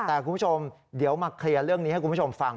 แต่คุณผู้ชมเดี๋ยวมาเคลียร์เรื่องนี้ให้คุณผู้ชมฟัง